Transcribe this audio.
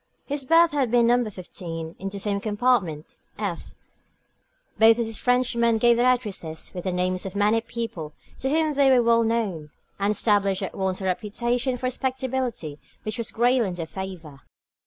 His berth had been No. 15 in the same compartment, f. Both these Frenchmen gave their addresses with the names of many people to whom they were well known, and established at once a reputation for respectability which was greatly in their favour.